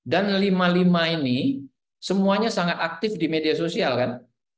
dan lima lima ini semuanya sangat aktif di media sosial kan